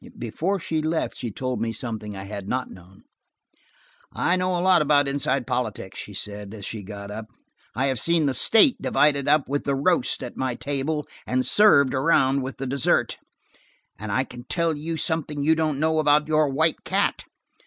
Before she left she told me something I had not known. "I know a lot about inside politics," she said, as she got up. "I have seen the state divided up with the roast at my table, and served around with the dessert, and I can tell you something you don't know about your White Cat.